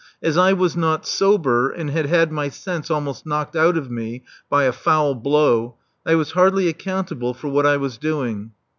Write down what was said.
As I was not sober and had had my sense almost knocked out of me by a foul blow, I was hardly accountable for what I was doing.